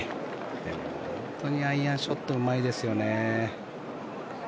本当にアイアンショットうまいですよね。